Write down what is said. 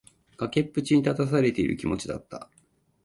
崖っぷちに立たされている気持ちだった。